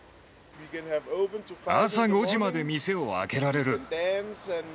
朝５時まで店を開けられる。